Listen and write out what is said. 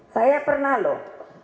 saya pernah loh